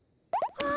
はあ。